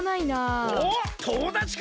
おっともだちか？